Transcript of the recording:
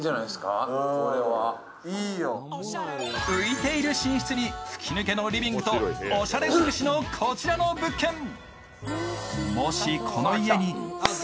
浮いている寝室に吹き抜けのリビングとおしゃれ尽くしのこちらの物件。